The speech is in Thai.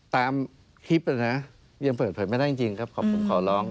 ตามคลิปนะยังเปิดไม่ได้จริงครับขอบคุณขอร้อง